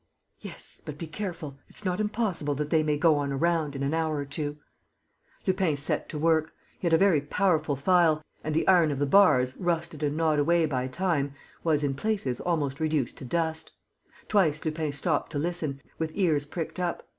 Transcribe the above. "Yes, but be careful. It's not impossible that they may go on a round in an hour or two." Lupin set to work. He had a very powerful file; and the iron of the bars, rusted and gnawed away by time, was, in places, almost reduced to dust. Twice Lupin stopped to listen, with ears pricked up.